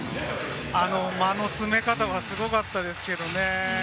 あの間の詰め方はすごかったですけれどもね。